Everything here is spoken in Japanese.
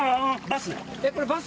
バス。